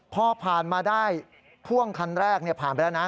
พอผ่านมาได้พ่วงคันแรกผ่านไปแล้วนะ